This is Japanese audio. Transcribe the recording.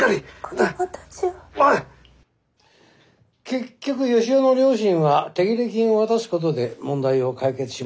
結局義雄の両親は手切れ金を渡すことで問題を解決しました。